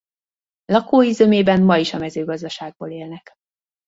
Lakói zömében ma is a mezőgazdaságból élnek.